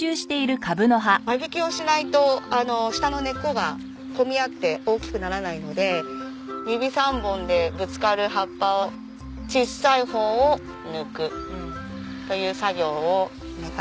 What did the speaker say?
間引きをしないと下の根っこが混み合って大きくならないので指３本でぶつかる葉っぱを小さいほうを抜くという作業をお願いします。